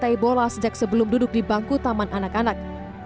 bertai bola sejak sebelum duduk di bangku taman anak anak